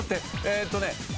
えーっとね。